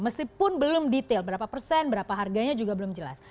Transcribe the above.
meskipun belum detail berapa persen berapa harganya juga belum jelas